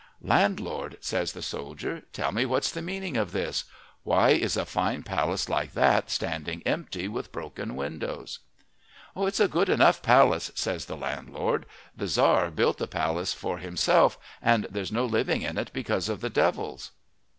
"Landlord," says the soldier, "tell me what's the meaning of this? Why is a fine palace like that standing empty with broken windows?" "It's a good enough palace," says the landlord. "The Tzar built the palace for himself, but there's no living in it because of the devils."